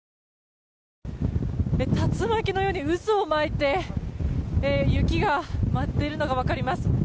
竜巻のように渦を巻いて雪が舞っているのが分かります。